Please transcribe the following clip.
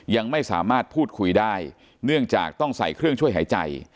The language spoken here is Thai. ยังไม่สามารถพูดคุยได้เนื่องจากต้องใส่เครื่องช่วยหายใจ